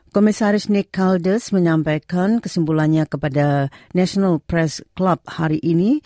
komisaris nikeldes menyampaikan kesimpulannya kepada national press club hari ini